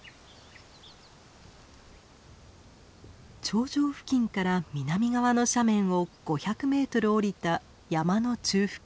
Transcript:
頂上付近から南側の斜面を５００メートル下りた山の中腹。